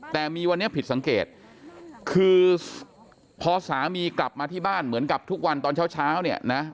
แต่มีวันนี้ผิดสังเกตคือพอสามีกลับมาที่บ้านเหมือนกับทุกวันตอนเช้าเนี่ยนะ